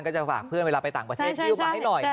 ก็จะฝากเพื่อนเวลาไปต่างประเทศหิ้วมาให้หน่อย